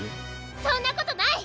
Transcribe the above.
そんなことない！